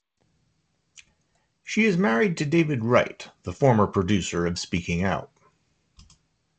She is married to David Wright the former producer of Speaking Out.